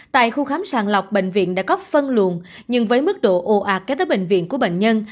tại khu khám sàng lọc bệnh viện đã có phân luồn nhưng với mức độ ồ ạc kế tới bệnh viện của bệnh nhân